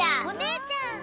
お姉ちゃん！